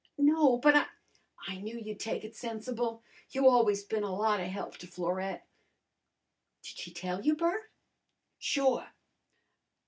"No, but I " "I knew you'd take it sensible. You always bin a lot of help to Florette." "Did she tell you, Bert?" "Sure!"